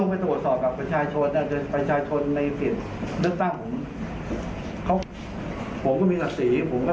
นะจะช่วยไปหากตาด้วยโรงพลาสสนามที่เขาได้บรรษฐาน